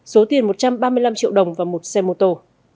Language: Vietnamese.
số tiền một trăm ba mươi năm triệu đồng và một xe mô tô